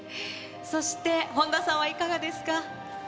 そして、本田さんはいかがですか？